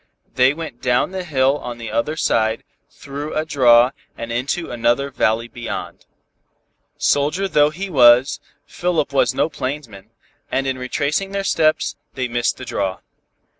They went down the hill on the other side, through a draw and into another valley beyond. Soldier though he was, Philip was no plainsman, and in retracing their steps, they missed the draw.